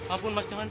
ampun mas jangan